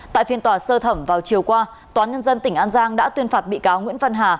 tại phiên tòa sơ thẩm vào chiều qua tòa nhân dân tỉnh an giang đã tuyên phạt bị cáo nguyễn văn hà